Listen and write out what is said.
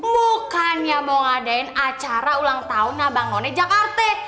bukannya mau ngadain acara ulang tahun nabang noni jakarte